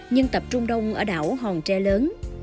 nhưng tập trung đông ở đảo hòn tre lớn